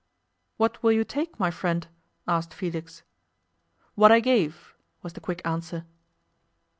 'What will you take, my friend?' asked Felix 'What I gave,' was the quick answer.